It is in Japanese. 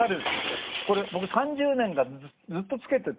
これ僕３０年間ずっとつけてて。